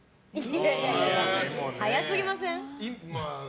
いやいや、早すぎません？